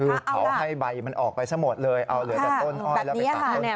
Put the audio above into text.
คือเขาให้ใบมันออกไปซะหมดเลยเอาเหลือแต่ต้นอ้อยแล้วไปตัดต้นอ